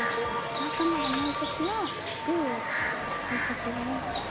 お袴がない時はグーを置いとくれやす。